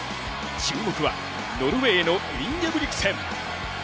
注目はノルウェーのインゲブリクセン。